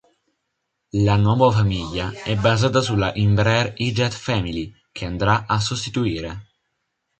La nuova famiglia è basata sulla Embraer E-Jet family che andrà a sostituire.